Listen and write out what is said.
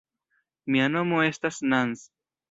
Mia nomo estas Nans.